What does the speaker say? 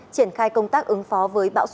triển khai công tác ứng phó với bão số chín